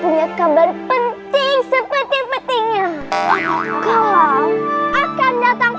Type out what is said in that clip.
punya kabar penting seperti petingnya akan datang pakai